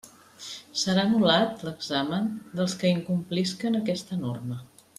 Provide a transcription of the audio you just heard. Serà anul·lat l'examen dels que incomplisquen aquesta norma.